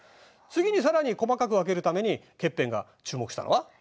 次にさらに細かく分けるためにケッペンが注目したのは？